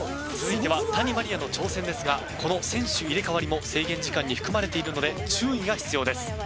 続いては谷まりあの挑戦ですがこの選手入れ替わりも制限時間に含まれているので注意が必要です。